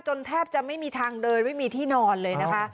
แทบจะไม่มีทางเดินไม่มีที่นอนเลยนะคะ